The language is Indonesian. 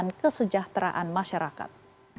dan kesejahteraan masyarakat